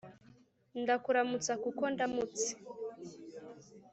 Ndakuramutsa kuko ndamutse